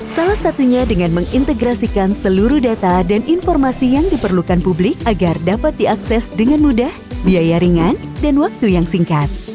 salah satunya dengan mengintegrasikan seluruh data dan informasi yang diperlukan publik agar dapat diakses dengan mudah biaya ringan dan waktu yang singkat